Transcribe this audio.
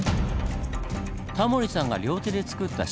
タモリさんが両手で作ったシワ。